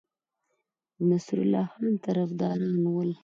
د نصرالله خان طرفداران ول.